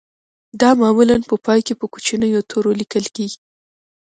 دا معمولاً په پای کې په کوچنیو تورو لیکل کیږي